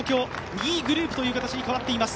２位グループという形に変わっています。